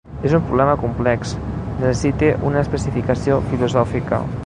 És un problema complex, necessite una especificació filosòfica.